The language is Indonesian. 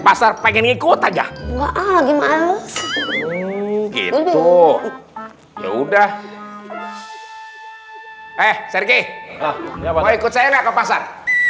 pasar pengen ikut aja enggak lagi males gitu ya udah eh sergi mau ikut saya enggak ke pasar